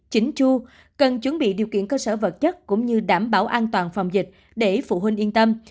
chính chu cần chuẩn bị điều kiện cơ sở vật chất cũng như đảm bảo an toàn phòng dịch để phụ huynh yên tâm